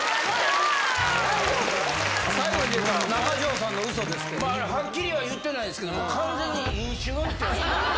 最後に、中条さんのうそですけど。はっきりは言ってないですけど、完全に飲酒運転。